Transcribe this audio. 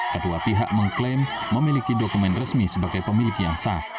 kedua pihak mengklaim memiliki dokumen resmi sebagai pemilik yang sah